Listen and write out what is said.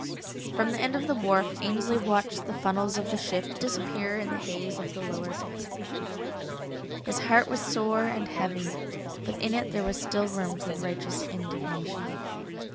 From the end of the wharf Ainsley watched the funnels of the ship disappear in the haze of the lower bay. His heart was sore and heavy, but in it there was still room for righteous indignation.